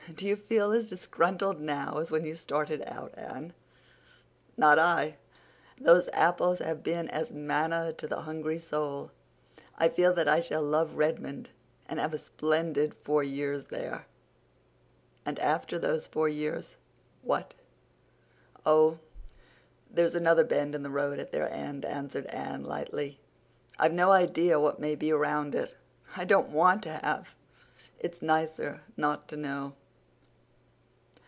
Do you feel as disgruntled now as when you started out, Anne?" "Not I. Those apples have been as manna to a hungry soul. I feel that I shall love Redmond and have a splendid four years there." "And after those four years—what?" "Oh, there's another bend in the road at their end," answered Anne lightly. "I've no idea what may be around it—I don't want to have. It's nicer not to know."